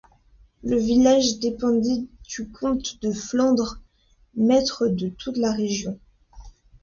Le village dépendait du comte de Flandre, maître de toute la région.